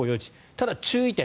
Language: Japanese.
ただ、注意点。